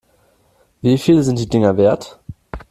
Wie viel sind die Dinger wert?